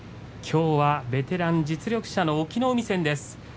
きょうはベテラン実力者の隠岐の海戦です。